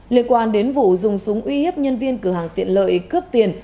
liên quan đến vụ dùng súng uy hiếp nhân viên cửa hàng tiện lợi cướp tiền